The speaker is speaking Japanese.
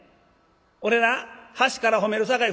「俺な橋から褒めるさかい